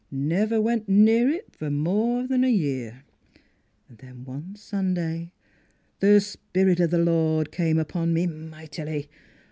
Never went near it for more than a year. Then one Sunday the spirit of the Lord came upon me mightily.